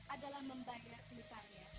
adalah saya akan membutuhkan titilles